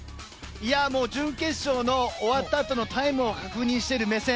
準決勝の終わったあとのタイムを確認している目線